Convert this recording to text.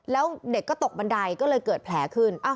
แล้วเด็กก็ตกบันไดก็เลยเกิดแผลขึ้น